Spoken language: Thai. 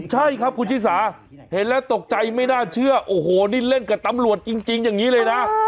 ใช่ครับคุณชิสาเห็นแล้วตกใจไม่น่าเชื่อโอ้โหนี่เล่นกับตำรวจจริงอย่างนี้เลยนะ